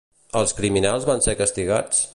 Els criminals van ser castigats?